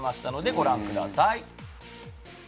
ご覧ください。